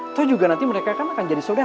atau juga nanti mereka kan akan jadi saudara